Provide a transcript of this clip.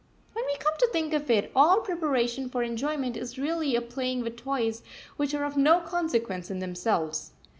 When we come to think of it, all preparation for enjoyment is really a playing with toys which are of no consequence in themselves.